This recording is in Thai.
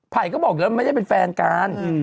ไผ่ก็บอกเลยว่าไม่ได้เป็นแฟนการ